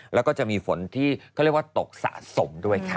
แล้วก็จะมีฝนที่เขาเรียกว่าตกสะสมด้วยค่ะ